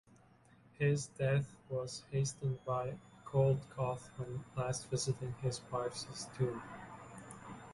His death was hastened by a cold caught when last visiting his wife's tomb.